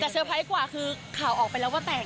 แต่เตอร์ไพรส์กว่าคือข่าวออกไปแล้วว่าแตก